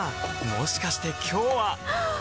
もしかして今日ははっ！